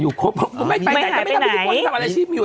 อยู่ครบไม่ไปแต่ก็ไม่ทำพิธีกรที่ทำอาชีพอยู่